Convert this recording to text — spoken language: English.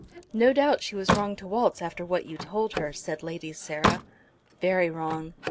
"No doubt she was wrong to waltz after what you told her," said Lady Sarah. "Very wrong."